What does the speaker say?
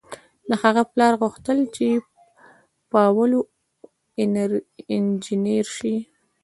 د هغه پلار غوښتل چې پاولو انجنیر شي.